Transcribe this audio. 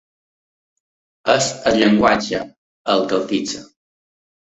És el llenguatge el que el fixa.